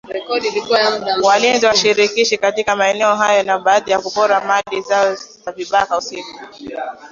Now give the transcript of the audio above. walinzi shirikishi katika maeneo hayo na baadhi yao kuporwa mali zao na vibaka usiku